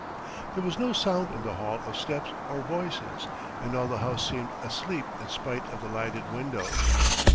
There was no sound in the hall of steps or voices and all the house seemed asleep in spite of the lighted windows.